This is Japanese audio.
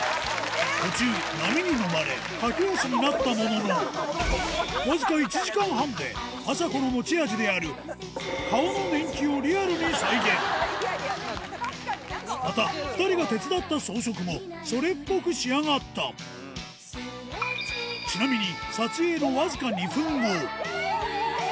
途中波にのまれ駆け足になったもののわずか１時間半であさこの持ち味であるまた２人が手伝った装飾もそれっぽく仕上がったちなみに撮影のわずか２分後ヤバいヤバい！